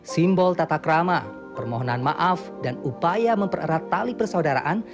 simbol tatakrama permohonan maaf dan upaya mempererat tali persaudaraan